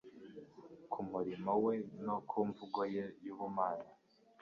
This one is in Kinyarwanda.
ku murimo we no ku mvugo ye y'ubumana.